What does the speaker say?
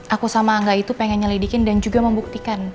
aku sama angga itu pengen nyelidikin dan juga membuktikan